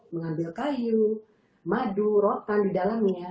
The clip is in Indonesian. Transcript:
mengambil kayu madu rotan di dalamnya